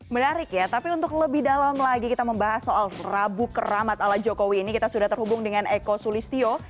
menarik ya tapi untuk lebih dalam lagi kita membahas soal rabu keramat ala jokowi ini kita sudah terhubung dengan eko sulistyo